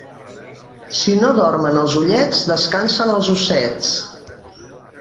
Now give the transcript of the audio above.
Si no dormen els ullets, descansen els ossets.